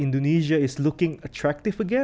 indonesia kelihatan menarik lagi